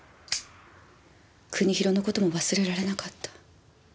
国広の事も忘れられなかった。